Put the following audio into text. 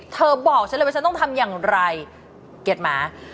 บอกฉันเลยว่าฉันต้องทำอย่างไรเกียรติหมา